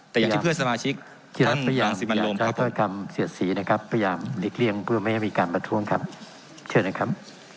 แต่อย่างที่เพื่อนสมาชิกรัฐบังสิตรริ้มครับผม